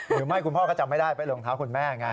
หรือไม่คุณพ่อก็จังไม่ได้ไปรองเท้าคุณแม่ไง